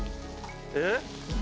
えっ？